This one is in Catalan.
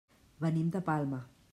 Venim de Palma.